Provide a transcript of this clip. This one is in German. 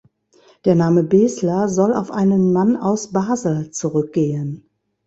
Der Name Besler soll auf einen Mann aus Basel zurückgehen.